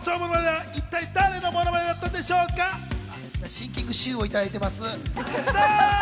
シンキングシューをいただいています。